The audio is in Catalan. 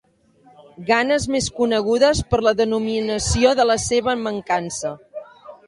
Ganes més conegudes per la denominació de la seva mancança.